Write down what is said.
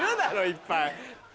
いっぱい！